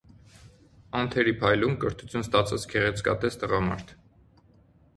Անթերի, փայլուն կրթություն ստացած գեղեցկատես տղամարդ։